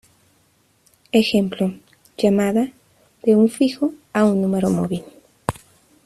Ejemplo: Llamada de un fijo a un número móvil.